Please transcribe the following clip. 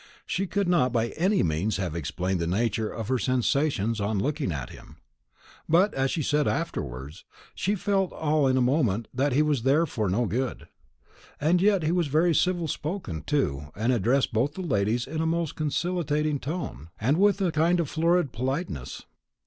She could not by any means have explained the nature of her sensations on looking at him, but, as she said afterwards, she felt all in a moment that he was there for no good. And yet he was very civil spoken too, and addressed both the ladies in a most conciliating tone, and with a kind of florid politeness.